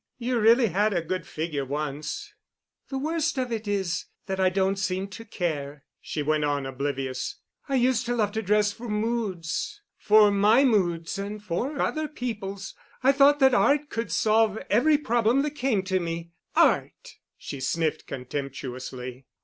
You really had a good figure once." "The worst of it is that I don't seem to care," she went on, oblivious. "I used to love to dress for moods—for my moods and for other people's. I thought that Art could solve every problem that came to me. Art!" she sniffed contemptuously.